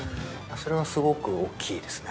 それはすごくおっきいですね。